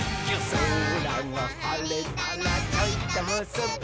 「そらがはれたらちょいとむすび」